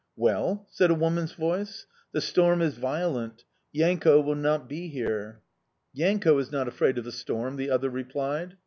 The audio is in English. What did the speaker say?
"Well?" said a woman's voice. "The storm is violent; Yanko will not be here." "Yanko is not afraid of the storm!" the other replied.